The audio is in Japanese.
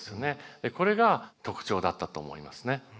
これが特徴だったと思いますね。